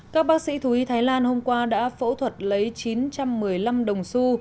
các bác sĩ thú y thái lan hôm qua đã phẫu thuật lấy chín trăm một mươi năm đồng su